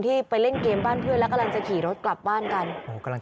ไปเล่นเกมบ้านเพื่อนแล้วกำลังจะขี่รถกลับบ้านกัน